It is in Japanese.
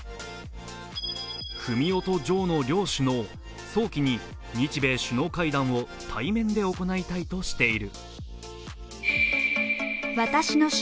フミオとジョーの両首脳、早期に日米首脳会談を対面で行いたいとしている。